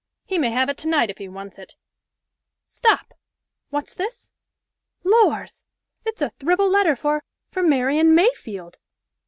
He may have it to night if he wants it! Stop! what's this? Lors! it's a thribble letter for for Marian Mayfield!